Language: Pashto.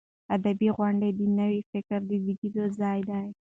ادبي غونډې د نوي فکر د زیږون ځای دی.